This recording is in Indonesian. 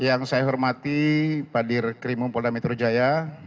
yang saya hormati pak dir krimum polda metro jaya